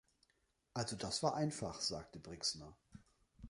„Also das war einfach“, sagte Brixner.